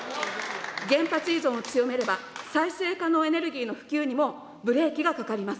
原発依存を強めれば、再生可能エネルギーの普及にもブレーキがかかります。